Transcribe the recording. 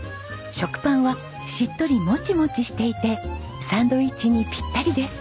食パンはしっとりモチモチしていてサンドイッチにピッタリです。